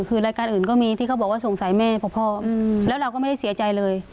คือรายการอื่นก็มีที่เขาบอกว่าสงสัยแม่เพราะพ่อแล้วเราก็ไม่ได้เสียใจเลย